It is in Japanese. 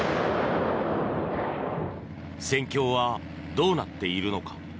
戦況はどうなっているのか。